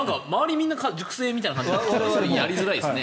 みんな塾生みたいな感じでやりづらいですね。